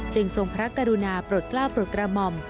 ทรงพระกรุณาปลดกล้าปลดกระหม่อม